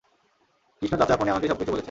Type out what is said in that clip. কৃষ্ণ চাচা ফোনে আমাকে সবকিছু বলেছে।